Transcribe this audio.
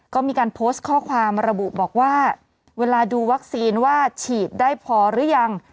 ก็มีการโพสต์ข้อความระบุบอกว่าเวลาดูวัคซีนว่าฉีดได้พอหรือยัง